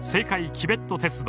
チベット鉄道。